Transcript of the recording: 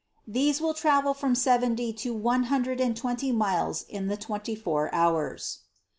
These will travel from seventy to one hundred and twenty miles in the twenty four hours.